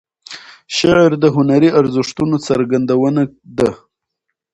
شعر د هنري ارزښتونو څرګندونه ده.